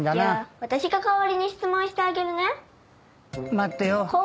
待ってよ。